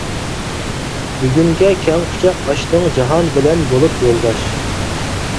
بۈگۈنگە كەڭ قۇچاق ئاچتىڭ جاھان بىلەن بولۇپ يولداش.